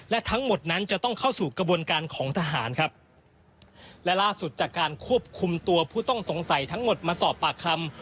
และทั้งหมดนั้นจะต้องเข้าสู่กระบวนการของทหารครับและล่าสุดจากการควบคุมตัวผู้ต้องสงสัยทั้งหมดมาสอบปากคำ